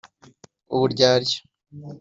uburyarya